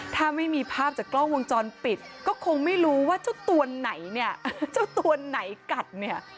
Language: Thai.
ถ้าไม่มีภาพจากกล้องวงจรปิดก็คงไม่รู้ว่าเจ้าตัวไหนเนี่ยเจ้าตัวไหนกัดเนี่ย